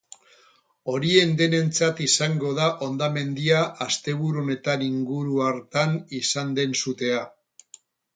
Horien denentzat izango da hondamendia asteburu honetan inguru hartan izan den sutea.